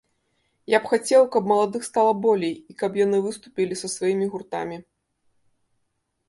Я б хацеў, каб маладых стала болей, і каб яны выступілі са сваімі гуртамі.